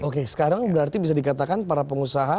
oke sekarang berarti bisa dikatakan para pengusaha